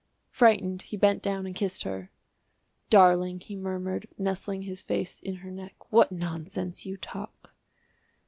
Frightened, he bent down and kissed her. "Darling," he murmured, nestling his face in her neck, "what nonsense you talk."